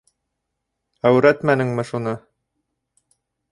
Әүрәтмәнеңме шуны?